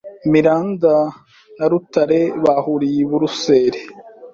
Miranda na Rutare bahuriye i Buruseli